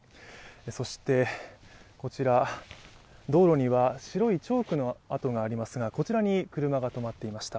そして、道路には白いチョークの跡がありますがこちらに車が止まっていました。